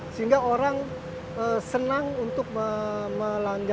sehingga orang senang untuk belanja